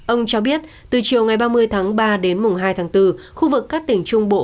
ông cho biết từ chiều ngày ba mươi tháng ba đến mùng hai tháng bốn khu vực các tỉnh trung bộ